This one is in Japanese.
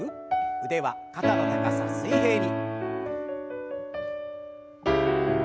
腕は肩の高さ水平に。